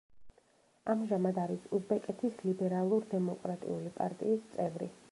ამჟამად არის უზბეკეთის ლიბერალურ-დემოკრატიული პარტიის წევრი.